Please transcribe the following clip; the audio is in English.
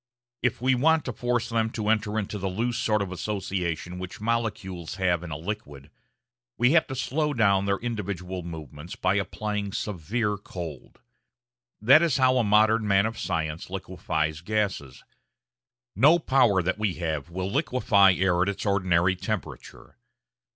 If we want to force them to enter into the loose sort of association which molecules have in a liquid, we have to slow down their individual movements by applying severe cold. That is how a modern man of science liquefies gases. No power that we have will liquefy air at its ordinary temperature.